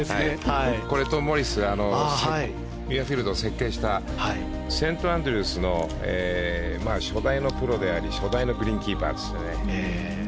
これ、トム・モリスミュアフィールドを設計したセントアンドリュースの初代のプロであり初代のグリーンキーパーですね。